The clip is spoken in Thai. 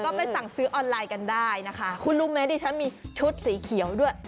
ก็ไปสั่งซื้อออนไลน์กันได้นะคะคุณรู้ไหมดิฉันมีชุดสีเขียวด้วย